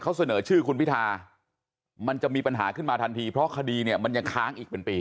เขาเสนอชื่อคุณพิธามันจะมีปัญหาขึ้นมาทันทีเพราะคดีเนี่ยมันยังค้างอีกเป็นปี